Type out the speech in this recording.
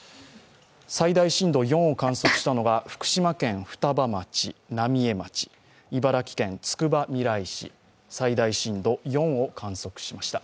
最大震度４を観測したのが福島県双葉町、浪江町、茨城県つくばみらい市、最大震度４を観測しました。